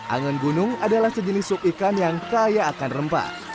angon gunung adalah sejenis sup ikan yang kaya akan rempah